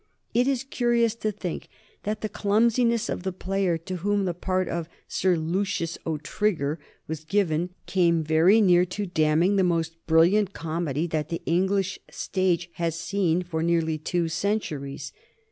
It is curious to think that the clumsiness of the player to whom the part of Sir Lucius O'Trigger was given came very near to damning the most brilliant comedy that the English stage had seen for nearly two centuries.